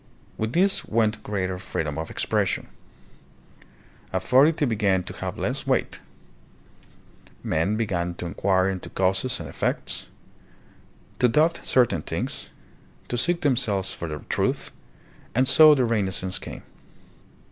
With this went greater free dom of expression. Authority began to have less weight. Men began to inquire into causes and effects, to doubt EUROPE AND THE FAR EAST ABOUT 1400 A.D. 51 certain things, to seek themselves for the truth, and so the Renaissance came.